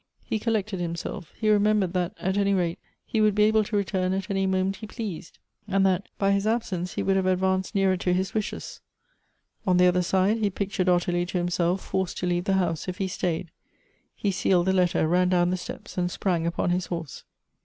He collected himself — he remembered, that, at any rate, he would be able to return at any moment he pleased ; and that, by his absence he would have advanced nearer to his wishes : on the other side, he pictured Ottilie to himself forced to leave the house if he stayed. He sealed the letter, ran down the steps, and sprang upon his horse.